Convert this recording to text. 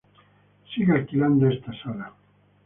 Sigue alquilando esta sala.